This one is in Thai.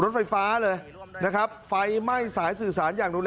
รถไฟฟ้าไฟไม้สายสื่อสาร